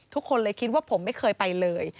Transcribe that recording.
ทุกคนเลยคิดว่าผมไม่เคยไปเลย